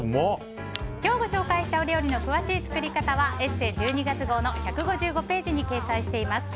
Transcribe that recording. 今日ご紹介した料理の詳しい作り方は「ＥＳＳＥ」１２月号の１５５ページに掲載しています。